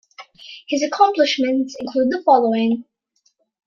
His accomplishments include the following.